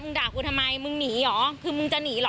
มึงด่าคุณทำไมมึงหนีหรอคือมึงจะหนีหรอ